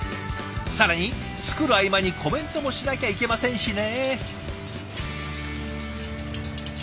更に作る合間にコメントもしなきゃいけませんしね。